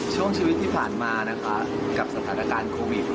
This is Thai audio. ช่วงชีวิตที่ผ่านมานะคะกับสถานการณ์โควิด